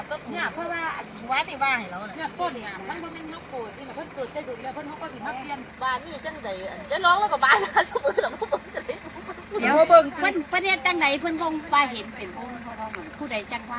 ห้ามเด็ดใบเด็ดขา